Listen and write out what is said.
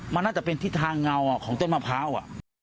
มันน่าจะเป็นทิศทางเงาของต้นมะพร้าว